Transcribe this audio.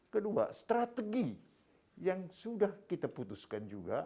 kedua strategi yang sudah kita putuskan juga